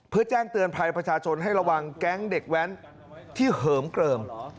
เพื่อแจ้งเตือนภัยประชาชนให้ระวังแก๊งเด็กแว้นที่เหิมเกลิม